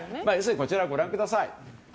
こちらをご覧ください。